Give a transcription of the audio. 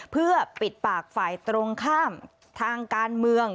เพื่อปิดปากฝ่ายตรงข้ามทางการเมือง